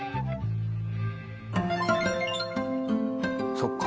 そっか。